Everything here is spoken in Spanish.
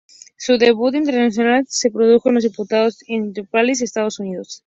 Su debut internacional se produjo en los disputados en Indianápolis, Estados Unidos.